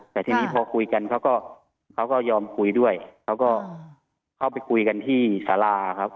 แต่ทีนี้พอคุยกันเขาก็เขาก็ยอมคุยด้วยเขาก็เข้าไปคุยกันที่สาราครับ